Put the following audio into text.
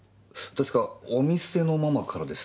確かお店のママからでしたよね？